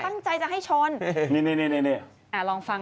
ตั้งใจจะให้ชน